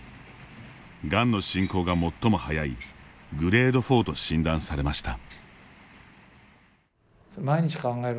がんの進行が最も速いグレード４と診断されました。